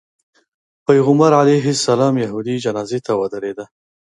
پیغمبر علیه السلام یهودي جنازې ته ودرېده.